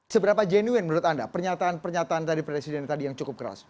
seberapa jenuin menurut anda pernyataan pernyataan dari presiden tadi yang cukup keras